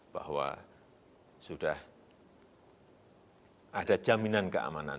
bahwa sudah ada jaminan keamanan